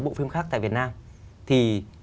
bộ phim khác tại việt nam thì